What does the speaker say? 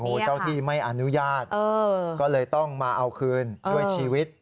โอ้โหเจ้าที่ไม่อนุญาตก็เลยต้องมาเอาคืนด้วยชีวิต